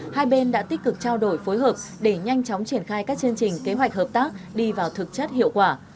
hai bên đã tích cực trao đổi phối hợp để nhanh chóng triển khai các chương trình kế hoạch hợp tác đi vào thực chất hiệu quả